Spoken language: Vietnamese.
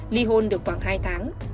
li hôn được khoảng hai tháng